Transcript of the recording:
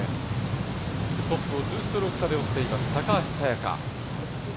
トップを２ストローク差で追っています、高橋彩華。